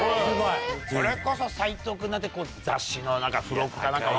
それこそ斉藤君なんて雑誌の付録か何か。